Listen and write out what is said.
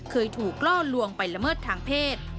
เคยถูกล่อลวงไปละเมิดทางเพศ